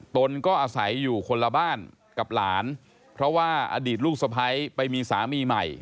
ตนก็อาศัยอยู่คนละบ้านกับหลานเพราะว่าอดีตลูกสะพ้ายไปมีสามีใหม่